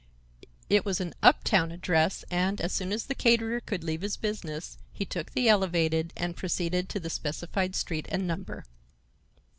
It was an uptown address, and, as soon as the caterer could leave his business, he took the elevated and proceeded to the specified street and number.